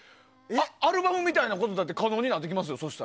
アルバムみたいなことだって可能になってきますよ。